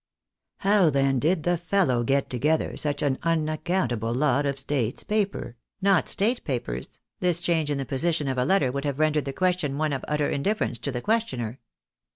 " How, then, did the fellow get together such an accountable lot of States paper ?" (not state papers — ^this change in the position of a letter would have rendered the question one of utter indiffer ence to the questioner).